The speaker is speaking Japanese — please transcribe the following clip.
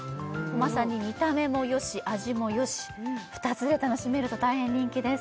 まさに見た目もよし味もよし２つで楽しめると大変人気です